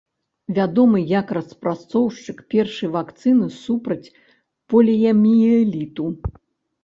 Вядомы як распрацоўшчык першай вакцыны супраць поліяміэліту.